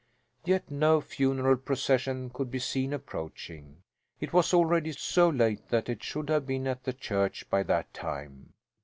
Yet no funeral procession could be seen approaching. It was already so late that it should have been at the church by that time.